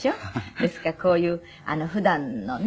ですからこういう普段のね